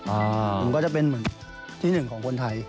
มันก็จะเป็นเหมือนที่หนึ่งของคนไทย